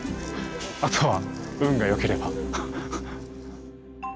あとは運がよければ。